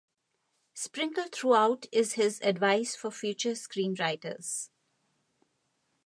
Sprinkled throughout is his advice for future screenwriters.